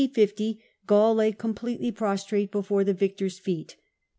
50 Gaul lay completely prostrate before the victor^s feet.